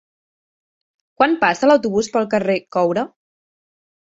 Quan passa l'autobús pel carrer Coure?